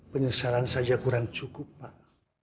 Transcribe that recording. penyesalan saja kurang cukup pak